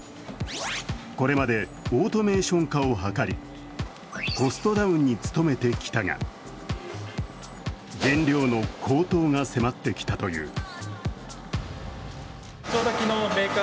これまでオートメーション化をはかり、コストダウンに努めてきたが、原料の高騰が迫ってきたという。